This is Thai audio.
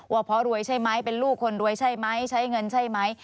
ว่าเพราะรวยใช่ไหมเป็นลูกคนรวยใช่ไหมใช้เงินใช่ไหม